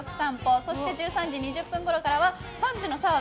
そして、１３時２０分ごろからは３児の澤部！